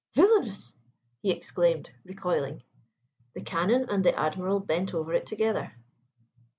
"Villainous!" he exclaimed, recoiling. The Canon and the Admiral bent over it together.